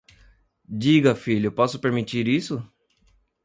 Diga, filho, posso permitir isso?